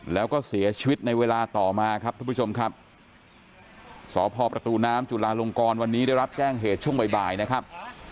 แล้วก็เสียชีวิตในเวลาต่อมาครับทุกผู้ชมครับสพประตูน้ำจุลาลงกรวันนี้ได้รับแจ้งเหตุช่วงบ่ายนะครับ